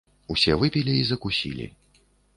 Усе выпілі і закусілі.